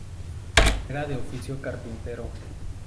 Era de oficio carpintero.